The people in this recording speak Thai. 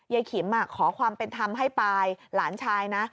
ขิมขอความเป็นธรรมให้ปายหลานชายนะ